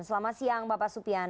selamat siang bapak supian